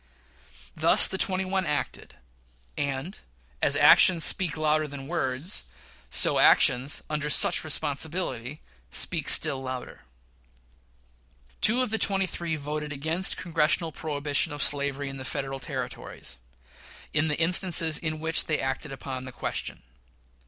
Thus the twenty one acted; and, as actions speak louder than words, so actions under such responsibilities speak still louder. Two of the twenty three voted against Congressional prohibition of slavery in the Federal Territories, in the instances in which they acted upon the question.